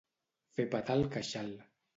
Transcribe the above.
Fer petar el queixal.